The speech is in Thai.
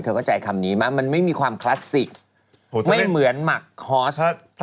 เข้าใจคำนี้มากมันไม่มีความคลาสสิกไม่เหมือนหมักคอส